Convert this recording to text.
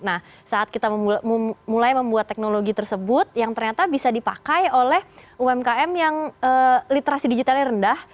nah saat kita mulai membuat teknologi tersebut yang ternyata bisa dipakai oleh umkm yang literasi digitalnya rendah